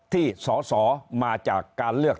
ที่สอสอมาจากการเลือก